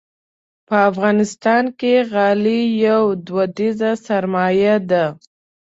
په افغانستان کې غالۍ یوه دودیزه سرمایه ده.